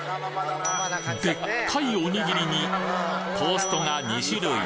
でっかいおにぎりにトーストが２種類。